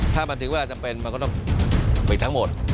ถ้ามันถึงเวลาจำเป็นมันก็ต้องปิดทั้งหมด